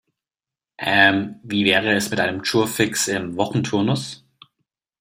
Ähm, wie wäre es mit einem Jour fixe im Wochenturnus?